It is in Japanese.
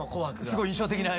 すごい印象的な。